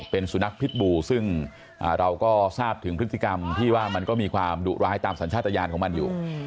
เป็นสุนัขพิษบูซึ่งเราก็ทราบถึงพฤติกรรมที่ว่ามันก็มีความดุร้ายตามสัญชาติยานของมันอยู่